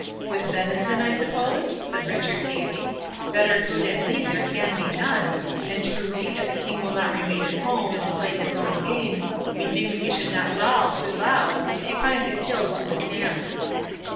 "With venison, I suppose?" said Richard, gaily; "better food at need there can be none—and truly, if a king will not remain at home and slay his own game, methinks he should not brawl too loud if he finds it killed to his hand."